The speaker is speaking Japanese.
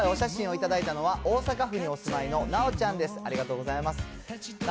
今回、お写真を頂いたのは、大阪府にお住まいのなおちゃんです。